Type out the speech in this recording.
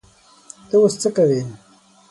ته اوس څه کوې؟